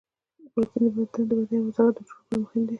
پروټین د بدن د ودې او د عضلاتو د جوړولو لپاره مهم دی